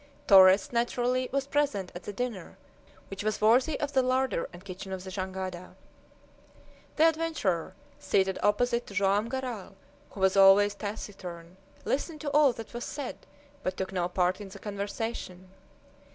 Torres, naturally, was present at the dinner, which was worthy of the larder and kitchen of the jangada. The adventurer, seated opposite to Joam Garral, who was always taciturn, listened to all that was said, but took no part in the conversation.